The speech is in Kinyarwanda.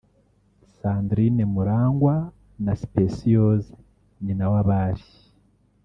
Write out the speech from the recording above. Sandrine Murangwa na Speciose Nyinawabari